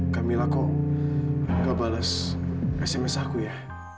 kamila kok gak bales sms aku ya